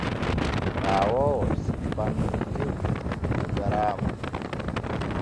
Paawoowo sippan nun tew e kilogaraamu.